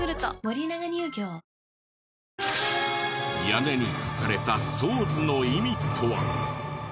屋根に書かれたソーズの意味とは？